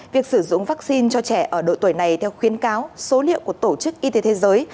việc sử dụng vaccine cho trẻ ở độ tuổi này theo khuyến cáo số liệu của tổ chức y tế thế giới